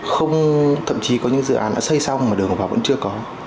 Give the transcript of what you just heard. không thậm chí có những dự án đã xây xong mà đường vào vẫn chưa có